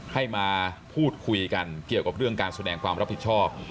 ให้มาพูดคุยกันเกี่ยวกับเรื่องการแสดงความรับผิดชอบ